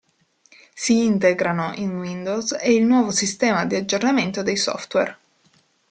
Si integrano in Windows e il nuovo sistema di aggiornamento dei software.